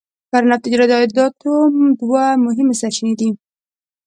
کرنه او تجارت د عایداتو دوه مهمې سرچینې دي.